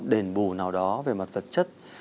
đền bù nào đó về mặt vật chất